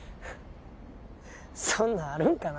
そんなんあるんかな？